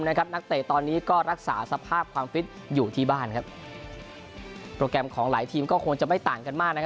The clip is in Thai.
นักเตะตอนนี้ก็รักษาสภาพความฟิตอยู่ที่บ้านครับโปรแกรมของหลายทีมก็คงจะไม่ต่างกันมากนะครับ